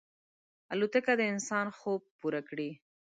الوتکه د انسان خوب پوره کړی.